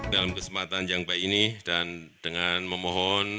dalam kesempatan yang baik ini dan dengan memohon